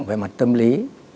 về mặt tâm lý